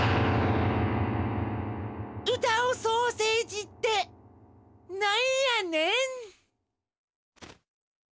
うたうソーセージってなんやねん？